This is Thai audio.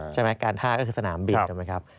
ใช่ไหมการท่าก็คือสนามบินใช่ไหมครับ